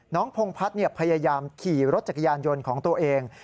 พงพัฒน์พยายามขี่รถจักรยานยนต์ของตัวเอง